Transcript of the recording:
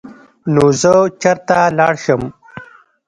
نو زۀ چرته لاړ شم ـ